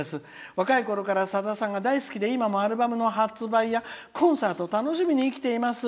若いころからさださんが大好きで今もアルバムの発売やコンサート楽しみに生きています。